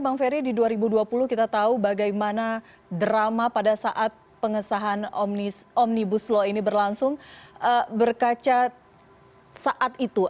bang ferry di dua ribu dua puluh kita tahu bagaimana drama pada saat pengesahan omnibus law ini berlangsung berkaca saat itu